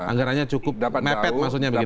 anggarannya cukup mepet maksudnya begitu